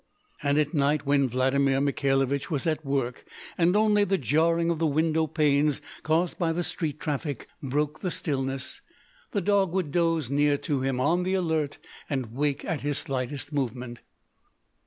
And at night, when Vladimir Mikhailovich was at work, and only the jarring of the window panes, caused by the street traffic, broke the stillness, the dog would doze near to him on the alert, and wake at his slightest movement.